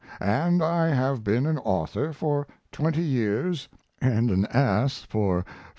And I have been an author for 20 years and an ass for 55.